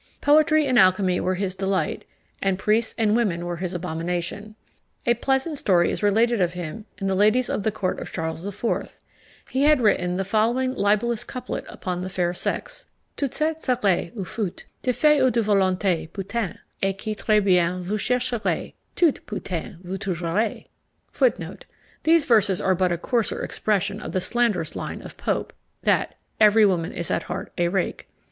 Poetry and alchymy were his delight, and priests and women were his abomination. A pleasant story is related of him and the ladies of the court of Charles IV. He had written the following libellous couplet upon the fair sex: "Toutes êtes, serez, ou fûtes, De fait ou de volonté, putains; Et qui très bien vous chercherait, Toutes putains vous trouverait." These verses are but a coarser expression of the slanderous line of Pope, that "every woman is at heart a rake."